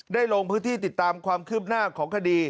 ลงพื้นที่ติดตามความคืบหน้าของคดี